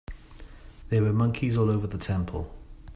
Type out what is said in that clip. There were monkeys all over the temple.